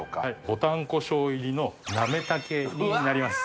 ぼたんこしょう入りのなめたけになります。